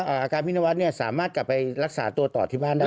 อาการพี่นวัดเนี่ยสามารถกลับไปรักษาตัวต่อที่บ้านได้